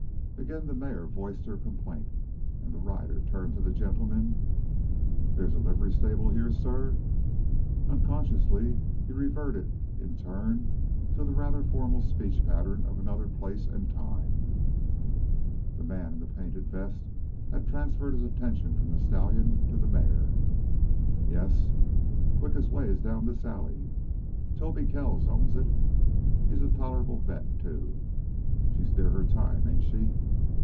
Again the mare voiced her complaint, and the rider turned to the gentleman. "There is a livery stable here, suh?" Unconsciously he reverted in turn to the rather formal speech pattern of another place and time. The man in the painted vest had transferred his attention from stallion to mare. "Yes. Quickest way is down this alley. Tobe Kells owns it. He's a tolerable vet, too. She's near her time, ain't she?"